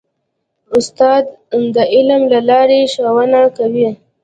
استاد د عمل له لارې ښوونه کوي.